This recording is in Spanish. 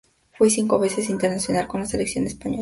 Fue cinco veces internacional con la selección española.